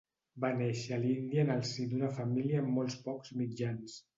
Va néixer a l'Índia en el si d'una família amb molts pocs mitjans.